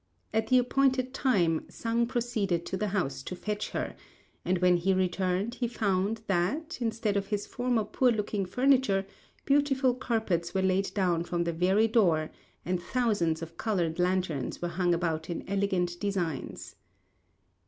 At the appointed time Sang proceeded to the house to fetch her; and when he returned he found that, instead of his former poor looking furniture, beautiful carpets were laid down from the very door, and thousands of coloured lanterns were hung about in elegant designs.